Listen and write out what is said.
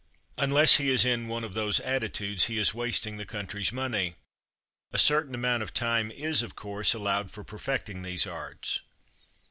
Unless he is in one of these attitudes he is wasting the country's money. A certain amount of time is, of course, allowed for perfecting these arts.